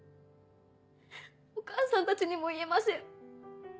お母さんたちにも言えません。